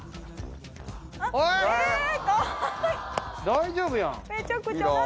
大丈夫や。